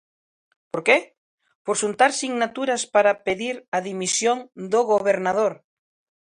Por que? Por xuntar sinaturas para pedir a dimisión do gobernador.